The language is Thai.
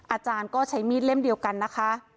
อาจารย์ก็ใช้มีดเล่มเดียวกันนะคะ